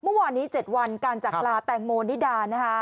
เมื่อวานนี้๗วันการจักรลาแตงโมนิดานะคะ